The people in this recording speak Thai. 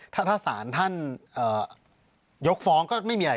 ถ้าศาลท่านยกฟ้องก็ไม่มีอะไร